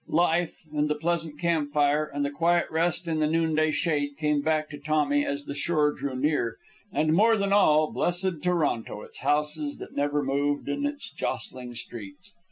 Life, and the pleasant camp fire, and the quiet rest in the noonday shade, came back to Tommy as the shore drew near, and more than all, blessed Toronto, its houses that never moved, and its jostling streets.